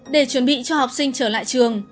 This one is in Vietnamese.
để chuẩn bị cho học sinh trở lại trường